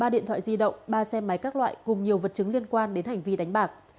ba điện thoại di động ba xe máy các loại cùng nhiều vật chứng liên quan đến hành vi đánh bạc